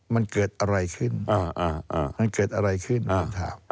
มันเกิดอะไรขึ้นมันเกิดอะไรขึ้นผมถาม